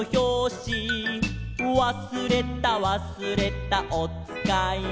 「わすれたわすれたおつかいを」